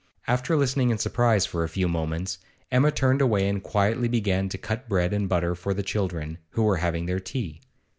After listening in surprise for a few moments, Emma turned away and quietly began to cut bread and butter for the children, who were having their tea.